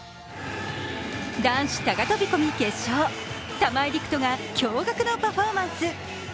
男子高飛び込み決勝、玉井陸斗が驚がくのパフォーマンス。